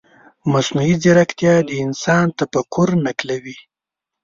مصنوعي ځیرکتیا د انسان تفکر نقلوي.